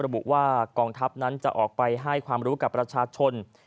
ระบุว่ากองทัพนั้นจะออกไปให้ความรู้กับประชาชน